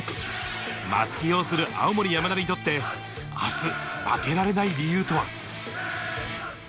松木擁する青森山田にとって明日、負けられない理由とは？